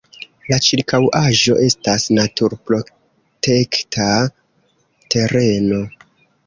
La ĉirkaŭaĵo estas naturprotekta tereno.